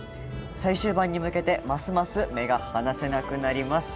最終盤に向けてますます目が離せなくなります。